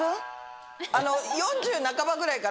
４０半ばぐらいから。